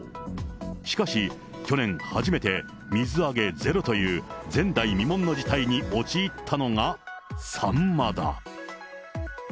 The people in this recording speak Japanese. しかし、去年初めて水揚げゼロという、前代未聞の事態に陥ったのがサンマだ。